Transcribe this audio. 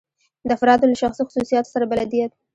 د افرادو له شخصي خصوصیاتو سره بلدیت.